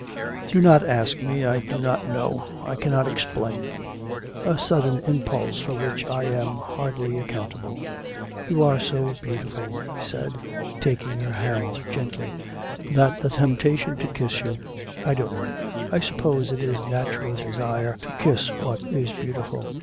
'Do not ask me, I do not know. I cannot explain a sudden impulse for which I am hardly accountable. You are so beautiful,' he said, taking her hand gently, 'that the temptation to kiss you I don't know... I suppose it is natural desire to kiss what is beautiful.